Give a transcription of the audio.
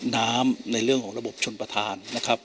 ในเรื่องของระบบชนประธานนะครับ